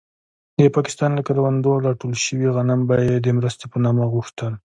د پاکستان له کروندو راټول شوي غنم به يې د مرستې په نامه غوښتل.